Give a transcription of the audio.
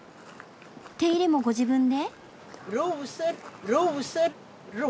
手入れもご自分で？